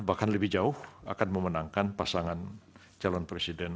bahkan lebih jauh akan memenangkan pasangan calon presiden